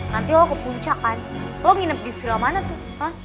nanti lo ke puncak kan lo nginep di villa mana tuh